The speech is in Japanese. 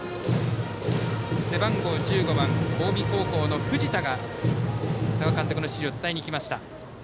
背番号１５番、近江高校の藤田が多賀監督の指示を伝えに行きました。